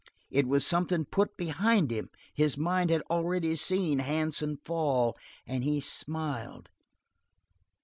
It was something put behind him; his mind had already seen Hansen fall, and he smiled.